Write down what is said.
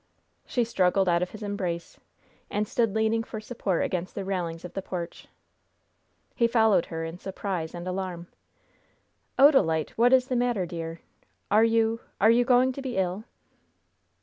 She struggled out of his embrace, and stood leaning for support against the railings of the porch. He followed her in surprise and alarm. "Odalite! what is the matter, dear? Are you are you going to be ill?"